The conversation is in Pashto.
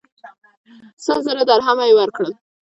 سل زره درهمه یې ورکړل.